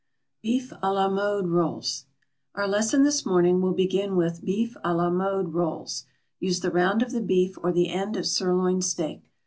BEEF A LA MODE ROLLS. Our lesson this morning will begin with beef a la mode rolls. Use the round of the beef or the end of sirloin steak.